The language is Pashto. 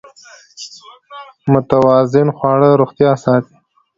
متوازن خواړه روغتیا ساتي.